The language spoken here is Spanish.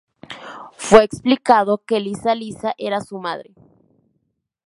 Fue explicado que Lisa Lisa era su madre.